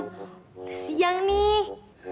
udah siang nih